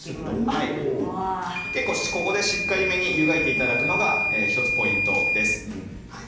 結構、ここでしっかりめに湯がいていただくのが１つポイントです。